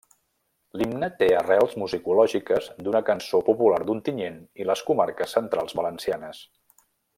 L'himne té arrels musicològiques d'una cançó popular d'Ontinyent i les comarques centrals valencianes.